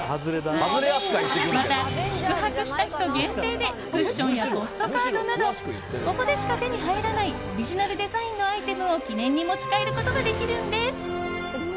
また、宿泊した人限定でクッションやポストカードなどここでしか手に入らないオリジナルデザインのアイテムを記念に持ち帰ることができるんです。